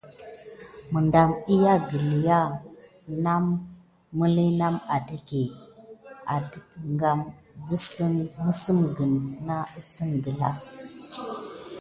Medam wiya gəlya miliye name dadah adake minetken sim sime ɗaou wisi gəlya.